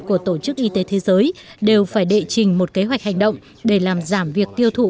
của tổ chức y tế thế giới đều phải đệ trình một kế hoạch hành động để làm giảm việc tiêu thụ